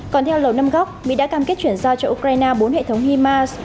còn theo lầu năm góc mỹ đã cam kết chuyển ra cho ukraine bốn hệ thống himars